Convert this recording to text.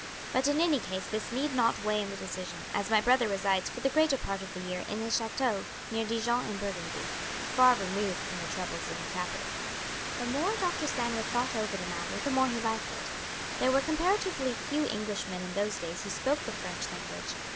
But in any case this need not weigh in the decision, as my brother resides for the greater part of the year in his chateau near Dijon in Burgundy, far removed from the troubles in the capital." The more Dr. Sandwith thought over the matter the more he liked it. There were comparatively few Englishmen in those days who spoke the French language.